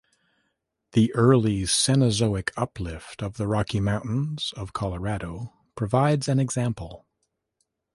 The early Cenozoic uplift of the Rocky Mountains of Colorado provides an example.